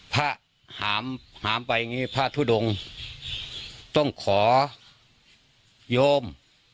ภ่าห้ามห้ามไปอย่างนี้ภ่าทุดงต้องขอยม